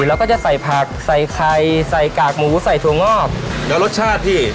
แล้วก็จะใส่ผักใส่ไข่ใส่กากหมูใส่ถั่วงอกแล้วรสชาติพี่